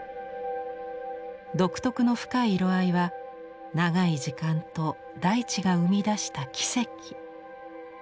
独特の深い色合いは長い時間と大地が生み出した奇跡。